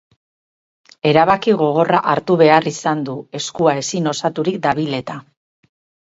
Erabaki gogorra hartu behar izan du eskua ezin osaturik dabil eta.